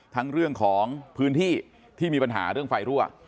ทั้งเรื่องของพื้นที่ที่มีปัญหาเรื่องไฟรั่ว